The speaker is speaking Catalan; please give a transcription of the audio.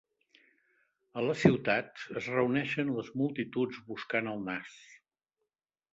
A la ciutat, es reuneixen les multituds buscant el nas.